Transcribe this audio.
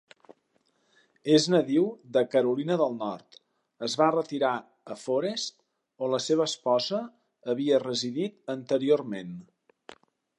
Es nadiu de Carolina del Nord, es va retirar a Forest, on la seva esposa havia residit anteriorment.